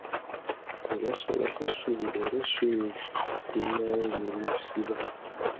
Bwe basala essubi era essubi linnaalyo lye lirisiba.